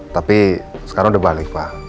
tapi sekarang udah balik pak